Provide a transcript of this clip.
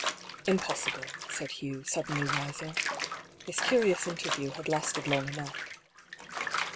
"Impossible," said Hugh, suddenly rising. This curious interview had lasted long enough.